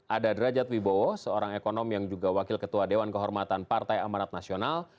ada derajat wibowo seorang ekonom yang juga wakil ketua dewan kehormatan partai amarat nasional